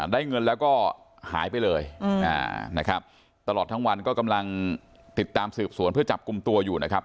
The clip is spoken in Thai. ได้เงินแล้วก็หายไปเลยนะครับตลอดทั้งวันก็กำลังติดตามสืบสวนเพื่อจับกลุ่มตัวอยู่นะครับ